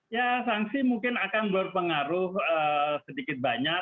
ya sanksi mungkin akan berpengaruh sedikit banyak